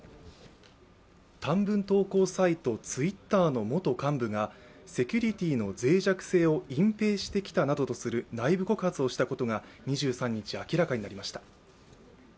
短文投稿サイト、Ｔｗｉｔｔｅｒの元幹部がセキュリティーの脆弱性を隠蔽してきたなどとする内部告発をしたことが２３日、明らかになりました。